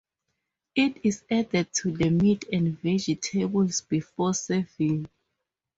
It is added to the meat and vegetables before serving.